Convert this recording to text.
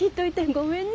ごめんね。